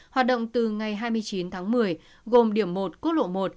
hoạt động từ ngày hai mươi chín tháng một mươi gồm điểm một quốc lộ một